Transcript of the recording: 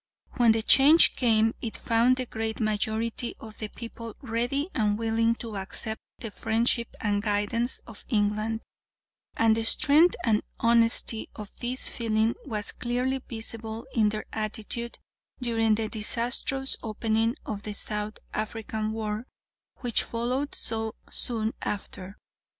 When the change came it found the great majority of the people ready and willing to accept the friendship and guidance of England, and the strength and honesty of this feeling was clearly visible in their attitude during the disastrous opening of the South African War which followed so soon after.